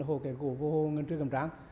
hồ kẻ cổ hồ ngân truyền cầm tráng